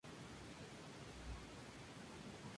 En el sur, la brigada de Archer asaltó Herbst Woods.